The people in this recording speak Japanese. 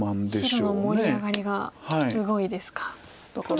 白の盛り上がりがすごいですか。